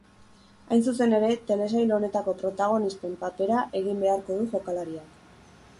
Hain zuzen ere, telesail honetako protagonisten papera egin beharko du jokalariak.